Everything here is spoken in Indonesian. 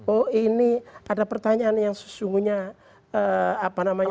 oh ini ada pertanyaan yang sesungguhnya apa namanya